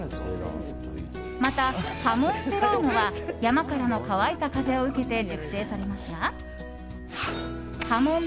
また、ハモンセラーノは山からの乾いた風を受けて熟成されますがはもん